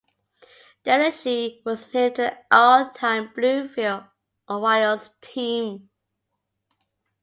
Dellucci was named to the All Time Bluefield Orioles team.